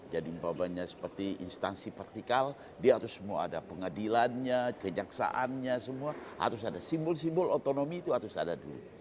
jadi umpamanya seperti instansi vertikal dia harus semua ada pengadilannya kenyaksaannya semua harus ada simbol simbol otonomi itu harus ada dulu